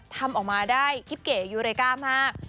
ทำออกมาได้คิบเกะอยู่เลยกล้ามาก